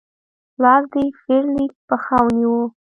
لاس د فلیریک پښه ونیوه.